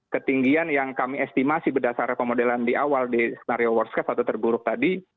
ketinggian yang kami estimasi berdasarkan pemodelan di awal di snario worst case atau terburuk tadi